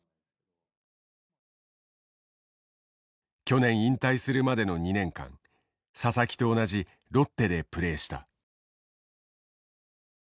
去年引退するまでの２年間佐々木と同じロッテでプレーした。